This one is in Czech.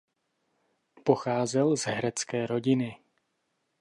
Pocházel z herecké rodiny.